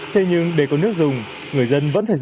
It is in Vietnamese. thế nhưng để có nước dùng người dân vẫn phải dơ dơ